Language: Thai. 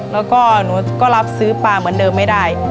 แล้วก็หนูก็รับซื้อปลาเหมือนเดิมไม่ได้